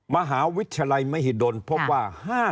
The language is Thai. มหาวิชลัยมหิดลพบว่า๕๔๗